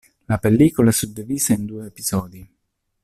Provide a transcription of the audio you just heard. La pellicola è suddivisa in due episodi.